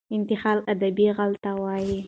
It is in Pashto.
انتحال ادبي غلا ته وايي.